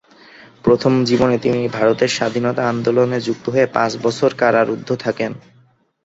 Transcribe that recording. প্রথম জীবনে তিনি ভারতের স্বাধীনতা আন্দোলনে যুক্ত হয়ে পাঁচ বছর কারারুদ্ধ থাকেন।